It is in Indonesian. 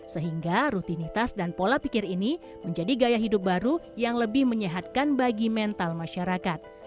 sehingga rutinitas dan pola pikir ini menjadi gaya hidup baru yang lebih menyehatkan bagi mental masyarakat